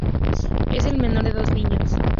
Es el menor de dos niños.